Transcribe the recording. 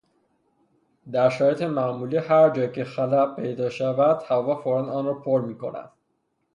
درشرایط معمولی هر جایکه خلاء پیدا شود؛ هوا فوراً آنرا پر میکند.